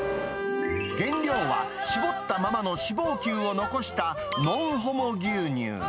原料は搾ったままの脂肪球を残したノンホモ牛乳。